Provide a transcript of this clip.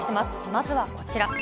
まずはこちら。